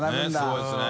すごいですね。